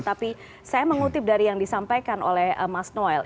tapi saya mengutip dari yang disampaikan oleh mas noel